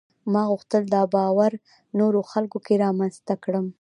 ما غوښتل دا باور نورو خلکو کې هم رامنځته کړم.